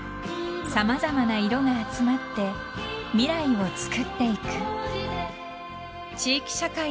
［様々な色が集まって未来をつくっていく］